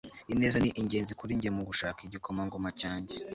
ineza ni ingenzi kuri njye mu gushaka igikomangoma cyanjye